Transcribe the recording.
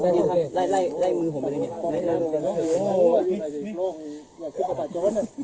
ไล่มือผมไปเลยเนี่ย